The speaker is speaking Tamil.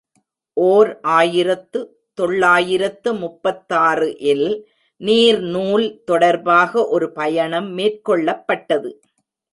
ஓர் ஆயிரத்து தொள்ளாயிரத்து முப்பத்தாறு இல் நீர்நூல் தொடர்பாக ஒரு பயணம் மேற் கொள்ளப்பட்டது.